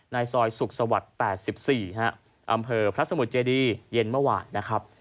ในซอยสุขสวรรค์๘๔อำเภอพระสมุทรเจดีเย็นเมื่อวานนะครับ